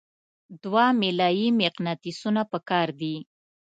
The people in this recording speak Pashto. دوه میله یي مقناطیسونه پکار دي.